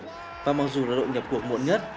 liverpool là đội nhập cuộc muộn nhất